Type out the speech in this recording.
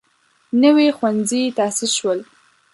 نوي ښوونځي تاسیس شول.